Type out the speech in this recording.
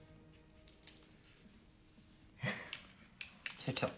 来た来た。